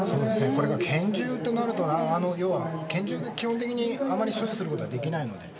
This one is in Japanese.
これが拳銃となると拳銃って基本的にあまり所持することはできないので。